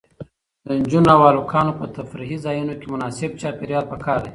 د نجونو او هلکانو لپاره په تفریحي ځایونو کې مناسب چاپیریال پکار دی.